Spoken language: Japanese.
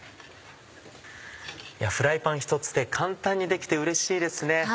フライパンひとつで簡単にできてうれしいですね。